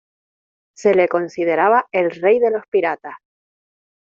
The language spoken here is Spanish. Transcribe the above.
Se le consideraba el rey de los piratas.